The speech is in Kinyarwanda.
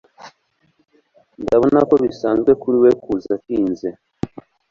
Ndabona ko bisanzwe kuri we kuza atinze